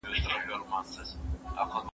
زه درسونه اورېدلي دي!!